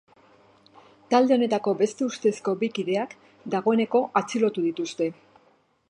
Talde horretako beste ustezko bi kideak dagoeneko atxilotu dituzte.